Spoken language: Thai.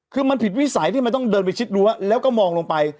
คือมันผิดวิสัยที่มันต้องเดินไปชิดรั้วแล้วก็มองลงไป